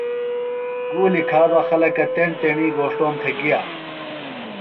گُولی کھا بہ خلکہ تیݨ تیݨی گھوݜٹوم تھےۡ گیہ۔